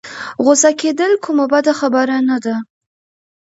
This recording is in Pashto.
غوسه کېدل کومه بده خبره نه ده.